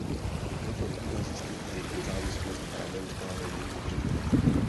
Je proto nutné zjistit jejich nezávislost a neustále ji udržovat.